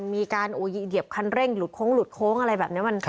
มีการเหยียบคันเร่งหลุดโค้งอะไรแบบนี้